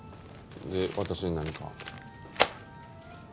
で私に何か？